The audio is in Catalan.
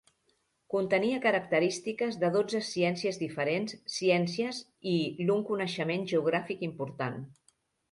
Contenia característiques de dotze ciències diferents ciències i l'un coneixement geogràfic important.